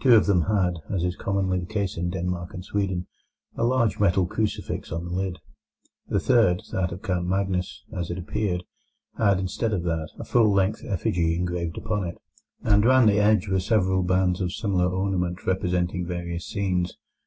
Two of them had, as is commonly the case in Denmark and Sweden, a large metal crucifix on the lid. The third, that of Count Magnus, as it appeared, had, instead of that, a full length effigy engraved upon it, and round the edge were several bands of similar ornament representing various scenes.